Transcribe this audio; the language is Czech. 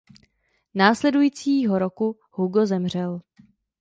Následujícího roku Hugo zemřel.